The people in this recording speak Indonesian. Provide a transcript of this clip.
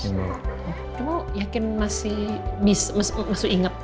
kamu yakin masih inget